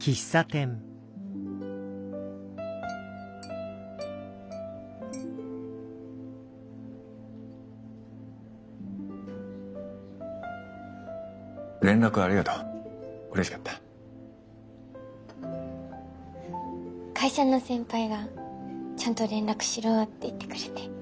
会社の先輩が「ちゃんと連絡しろ」って言ってくれて。